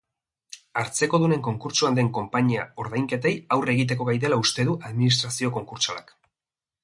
Hartzekodunen konkurtsoan den konpainia ordainketei aurre egiteko gai dela uste du administrazio konkurtsalak.